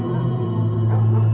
aku mau ke rumah